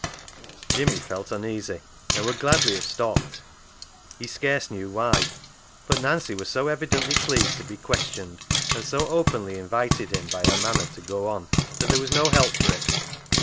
Jimmy felt uneasy, and would gladly have stopped — he scarce knew why ; but Nancy was so evidently pleased to be questioned, and so openly invited him by her manner to go on, that there was no help for it.